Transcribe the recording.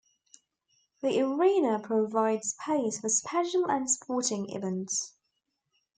The arena provides space for special and sporting events.